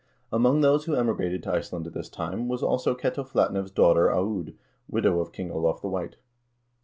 Among those who emigrated to Iceland at this time was, also, Ketil Flatnev's daughter Aud, widow of King Olav the White.